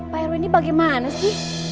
pak heru ini bagaimana sih